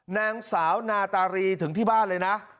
นางสาวนาตารีถึงที่บ้านเลยนะ